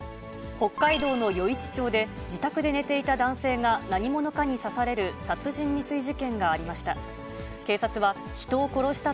北海道の余市町で、自宅で寝ていた男性が何者かに刺される殺人未遂事件がありました。